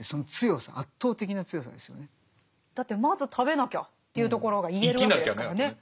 だってまず食べなきゃっていうところが言えるわけですからね。